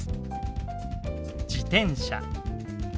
「自転車」。